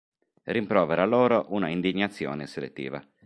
Rimprovera loro una indignazione selettiva.